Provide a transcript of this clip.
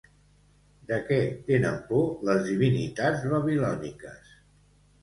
De què tenen por les divinitats babilòniques?